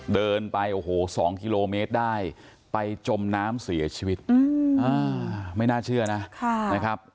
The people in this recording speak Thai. เดินไปโอ้โห๒กิโลเมตรได้ไปจมน้ำเสียชีวิตไม่น่าเชื่อนะนะครับ